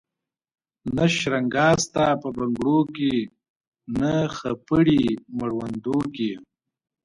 نه شرنګا سته په بنګړو کي نه خپړي مړوندو کي